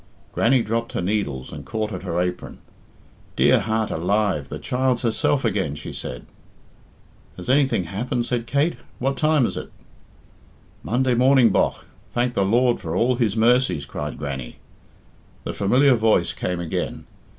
Grannie dropped her needles and caught at her apron. "Dear heart alive, the child's herself again!" she said. "Has anything happened?" said Kate. "What time is it?" "Monday morning, bogh, thank the Lord for all His mercies!" cried Grannie. The familiar voice came again.